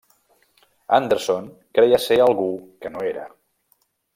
Anderson creia ser algú que no era.